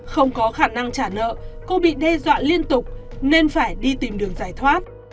không có khả năng trả nợ cô bị đe dọa liên tục nên phải đi tìm đường giải thoát